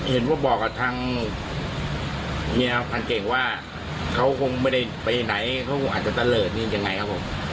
บอกว่าบอกกับทางเมียพันเก่งว่าเขาคงไม่ได้ไปไหนเขาคงอาจจะตะเลิศนี่ยังไงครับผม